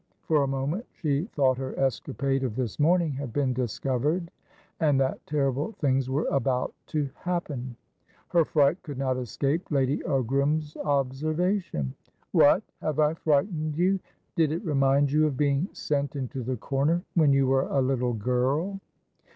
For a moment, she thought her escapade of this morning had been discovered, and that terrible things were about to happen. Her fright could not escape Lady Ogram's observation. "What, have I frightened you? Did it remind you of being sent into the corner when you were a little girl?"